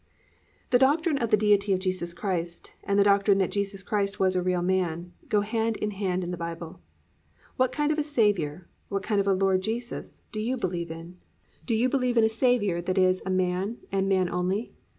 The doctrine of the Deity of Jesus Christ and the doctrine that Jesus Christ was a real man, go hand in hand in the Bible. What kind of a Saviour, what kind of a Lord Jesus, do you believe in? Do you believe in a Saviour that is a man and man only?